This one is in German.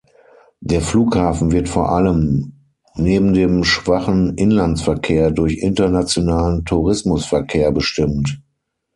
Der Flughafen wird vor allem neben dem schwachen Inlandsverkehr durch internationalen Tourismusverkehr bestimmt.